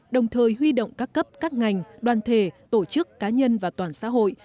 đồng thời huy động các cấp các ngành đoàn thể tổ chức cá nhân và toàn xã hội